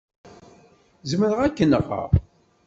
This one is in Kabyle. Zemreɣ ad k-nɣeɣ.